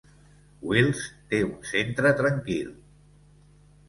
Wiltz té un centre tranquil.